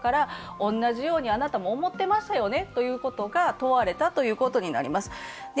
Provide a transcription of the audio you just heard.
同じようにあなたも思っていますよねということが問われたということになります。